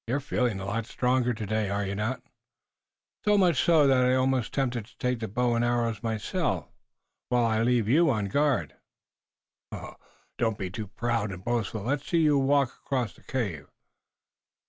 You're feeling a lot stronger today, are you not?" "So much so that I am almost tempted to take the bow and arrows myself, while I leave you on guard." "Don't be too proud and boastful. Let's see you walk across the cave."